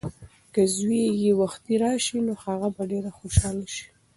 که زوی یې وختي راشي نو هغه به ډېره خوشحاله شي.